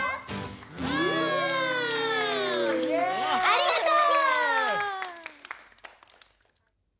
ありがとう！